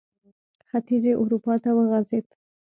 ختیځې اروپا ته وغځېد.